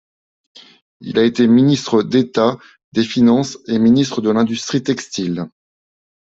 Il a été ministre d’État des Finances et ministre de l'Industrie textile.